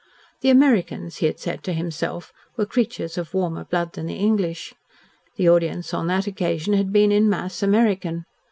The Americans, he had said to himself, were creatures of warmer blood than the English. The audience on that occasion had been, in mass, American.